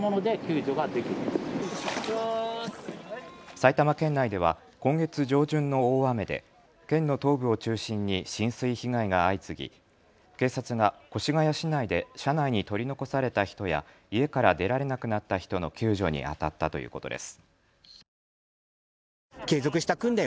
埼玉県内では今月上旬の大雨で県の東部を中心に浸水被害が相次ぎ警察が越谷市内で車内に取り残された人や家から出られなくなった人の救助にあたったということです。